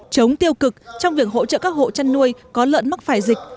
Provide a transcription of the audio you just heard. chống tiêu cực trong việc hỗ trợ các hộ chăn nuôi có lợn mắc phải dịch